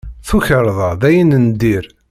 Tukerḍa d ayen n dir.